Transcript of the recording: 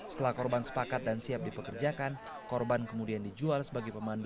setelah korban sepakat dan siap dipekerjakan korban kemudian dijual sebagai pemandu